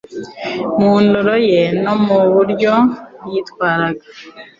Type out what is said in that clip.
mu ndoro ye, no mu buryo yitwaraga,